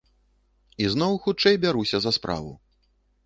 І зноў хутчэй бяруся за справу.